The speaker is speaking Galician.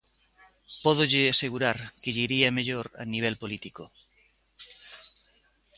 Pódolle asegurar que lle iría mellor a nivel político.